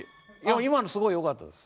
今のすごいよかったです。